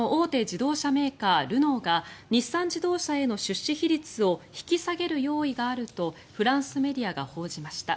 自動車メーカールノーが日産自動車への出資比率を引き下げる用意があるとフランスメディアが報じました。